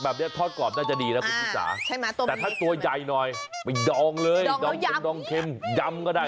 แบบนี้ทอดกรอบน่าจะดีนะแต่ถ้าตัวใหญ่หน่อยไปดองเลยดองเข็มยำก็ได้